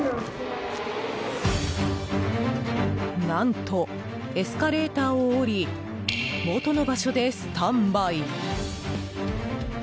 何と、エスカレーターを下り元の場所でスタンバイ。